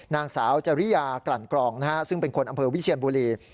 นางสาวจริยากลั่นกรองซึ่งเป็นคนอำเภอวิเชียนบุรี